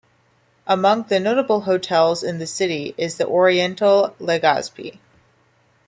Among the notable hotels in the city is The Oriental Legazpi.